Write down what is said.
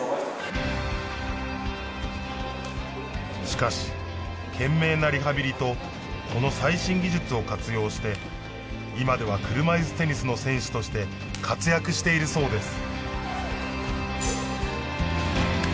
しかし懸命なリハビリとこの最新技術を活用して今では車いすテニスの選手として活躍しているそうです